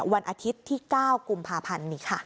วันอาทิตย์ที่๙กุมภาพันธ์นี้ค่ะ